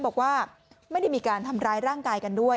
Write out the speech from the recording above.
บอกว่าไม่ได้มีการทำร้ายร่างกายกันด้วย